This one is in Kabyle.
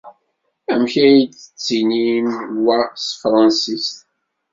Amek ay d-ttinin wa s tefṛensist?